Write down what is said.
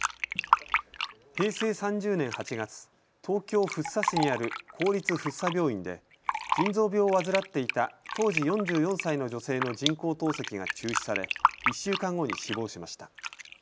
平成３０年８月、東京福生市にある公立福生病院で腎臓病を患っていた当時４４歳の女性の人工透析が中止され１週間後に死亡しました。